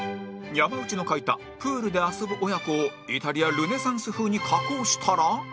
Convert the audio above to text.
山内の描いたプールで遊ぶ親子をイタリア・ルネサンス風に加工したら